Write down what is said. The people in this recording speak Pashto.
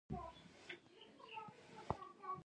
غیرت د خاموشۍ قوت دی